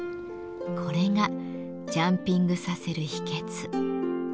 これがジャンピングさせる秘けつ。